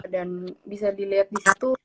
dan bisa dilihat di situ